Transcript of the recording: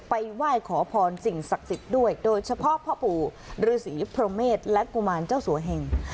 ไหว้ขอพรสิ่งศักดิ์สิทธิ์ด้วยโดยเฉพาะพ่อปู่ฤษีพรหมเมษและกุมารเจ้าสัวเหง